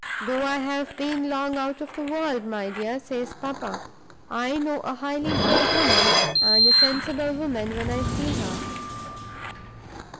'Though I have been long out of the world, my dear,' says papa, 'I know a highly bred woman and a sensible woman when I see her.